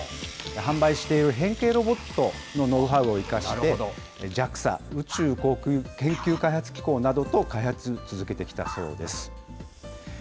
販売している変形ロボットのノウハウを生かして、ＪＡＸＡ・宇宙航空研究開発機構などと開発、続けてきたそうです。